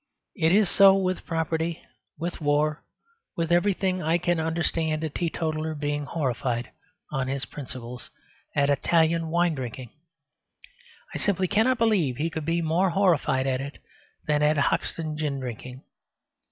It is so with property, with war, with everything. I can understand a teetotaler being horrified, on his principles, at Italian wine drinking. I simply cannot believe he could be more horrified at it than at Hoxton gin drinking.